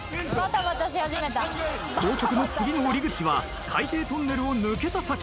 高速の次の降り口は海底トンネルを抜けた先。